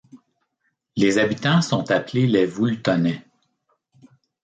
Les habitants sont appelés les Voultonais.